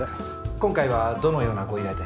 今回はどのようなご依頼で？